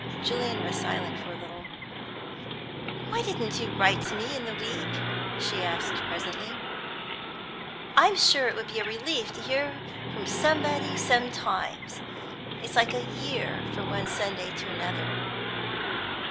Julian was silent for a little. "Why didn't you write to me in the week?" she asked presently. "I'm sure it would be a relief to hear from somebody sometimes. It's like a year from one Sunday to another."